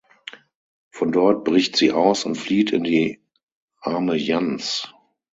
Von dort bricht sie aus und flieht in die Arme Jans.